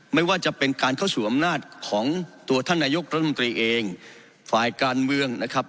ไม่ว่าจะเป็นการเข้าสู่อำนาจของตัวท่านนายกรัฐมนตรีเองฝ่ายการเมืองนะครับ